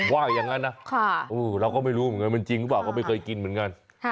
ว่าอย่างนั้นนะเราก็ไม่รู้เหมือนกันมันจริงหรือเปล่าก็ไม่เคยกินเหมือนกัน